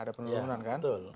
ada penurunan kan